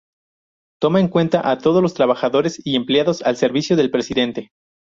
Toma en cuenta a todos los trabajadores y empleados al servicio del presidente.